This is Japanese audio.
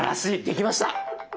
できました。